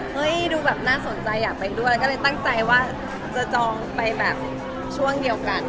เดี๋ยวคิดหน้าสนใจว่ตั้งใจว่าจะจองไปโรงแรมเดียวกัน